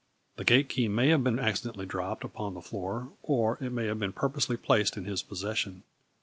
The gate key may have been accidentally dropped upon the floor, or it may have been purposely placed in his posses sion.